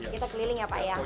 kita keliling ya pak ya